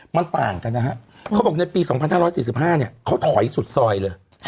มันต่างกันนะฮะเขาบอกในปีสองพันห้าร้อยสิบห้าเนี้ยเขาถอยสุดซอยเลยค่ะ